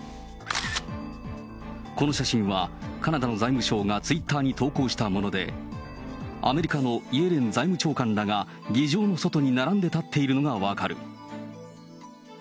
この写真はカナダの財務相がツイッターに投稿したもので、アメリカのイエレン財務長官らが、議場の外に並んで立っているのが分かる。